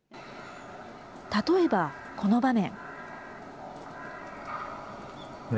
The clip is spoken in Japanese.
例えばこの場面。